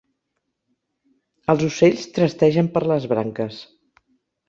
Els ocells trastegen per les branques.